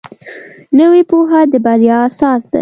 نوې پوهه د بریا اساس دی